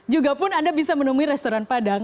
juga pun anda bisa menemui restoran padang